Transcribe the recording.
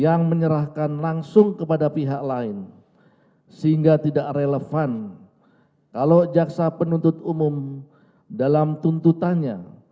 yang menyerahkan langsung kepada pihak lain sehingga tidak relevan kalau jaksa penuntut umum dalam tuntutannya